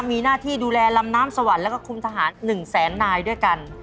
มีหน้าที่ดูแลลำน้ำสวรรค์แล้วก็คุมทหาร๑แสนนายด้วยกัน